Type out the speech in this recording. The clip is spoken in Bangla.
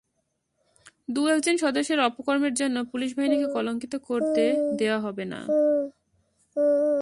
দু-একজন সদস্যের অপকর্মের জন্য পুলিশ বাহিনীকে কলঙ্কিত করতে দেওয়া হবে না।